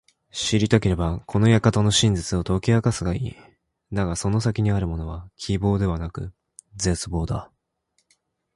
知りたければ、この館の真実を解き明かすがいい。だがその先にあるものは…希望ではなく絶望だ。